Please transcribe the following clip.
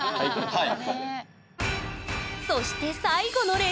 はい。